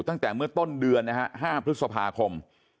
ตั้งแต่เมื่อต้นเดือนนะฮะ๕พฤษภาคม